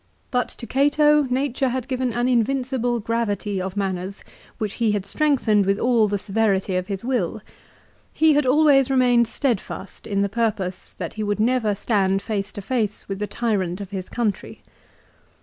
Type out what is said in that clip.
But to Cato nature had given an invincible gravity of manners which he had strengthened with all the severity of his will. He had always remained steadfast in the purpose that he would never stand face to face with the tyrant of his country."